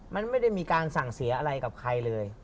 มันไม่ได้มีการสั่งเสียอะไรกับใครเลย